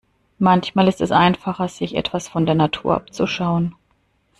Manchmal ist es einfacher, sich etwas von der Natur abzuschauen.